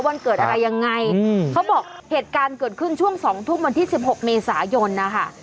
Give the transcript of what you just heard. วันเกิดอะไรยังไงเขาบอกเหตุการณ์เกิดขึ้นช่วง๒ทุ่มวันที่๑๖เมษายนนะคะ